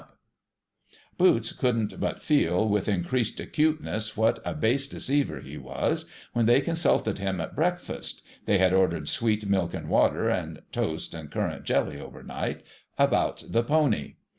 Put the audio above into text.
A TEMPORARY DELAY 109 Boots couldn't but feel with increased acuteness what a base deceiver he was, when they consulted him at breakfast (they had ordered sweet milk and water, and toast and currant jelly, overnight) about the pony.